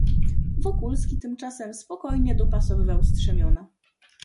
"Wokulski tymczasem spokojnie dopasowywał strzemiona."